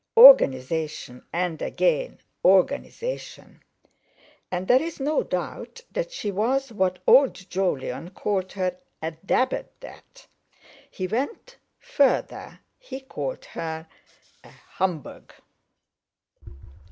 Organization—and again, organization! And there is no doubt that she was what old Jolyon called her—"a 'dab' at that"—he went further, he called her "a humbug."